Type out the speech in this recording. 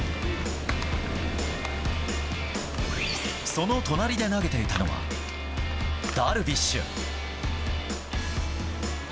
その隣で投げていたのはダルビッシュ。